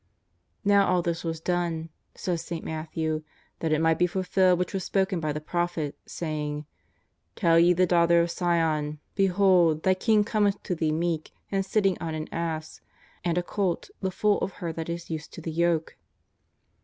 " Now all this was done," says St. Matthew, " that it might be fulfilled which was spoken by the prophet saying: ''Tell ye the daughter of Sion: Behold, thy King cometh to thee meek, and sitting on an asa, and a colt, the foal of her that is used to the yoke."